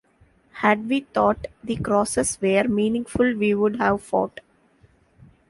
Had we thought the crosses were meaningful we would have fought.